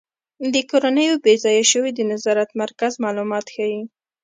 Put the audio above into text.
د کورنیو بې ځایه شویو د نظارت مرکز معلومات ښيي.